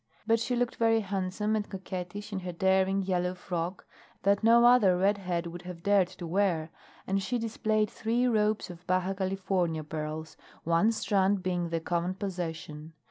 But she looked very handsome and coquettish in her daring yellow frock that no other red head would have dared to wear, and she displayed three ropes of Baja California pearls; one strand being the common possession.